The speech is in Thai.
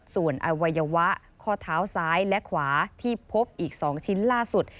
ส่วนอวัยวะข้อเท้าซ้ายและขวาที่พบอีก๒ชิ้นล่าสุด